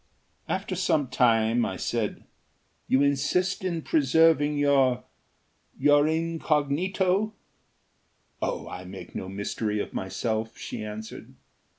After some time I said: "You insist then in preserving your your incognito." "Oh, I make no mystery of myself," she answered.